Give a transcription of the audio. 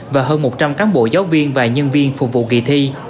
và hơn một trăm linh cán bộ giáo viên và nhân viên phục vụ kỳ thi